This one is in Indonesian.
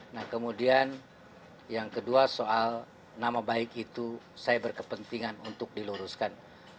nah kemudian yang kedua soal nama baik itu saya berkepentingan untuk diluruskan